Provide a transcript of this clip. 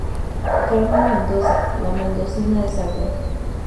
Carmen Mendoza "La Mendocina", de Sahagún.